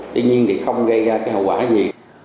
tuy nhiên thì không gây ra cái hậu quả gì